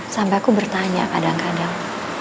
sampai aku bertanya kadang kadang